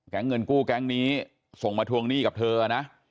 เงินกู้แก๊งนี้ส่งมาทวงหนี้กับเธอนะ